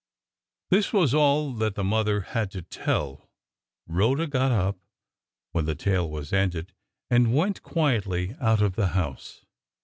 This was all that the mother had to tell. Rhoda got up, when the tale was ended, and went quietly out of the house.